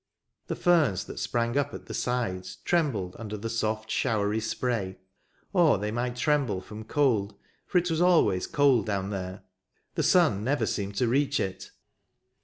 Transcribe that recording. The ferns that sprang up at the sides trembled under the soft showery spray, or they might tremble from cold, for it was always cold down there — the sun never seemed to reach it.